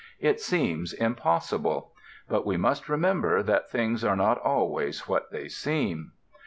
It seems impossible. But we must remember that things are not always what they seem.